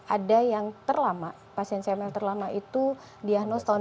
ada yang terlama pasien saya yang terlama itu diahnos tahun seribu sembilan ratus delapan puluh sembilan